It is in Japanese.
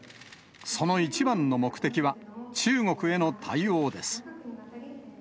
その一番の目的は、中国への対応です。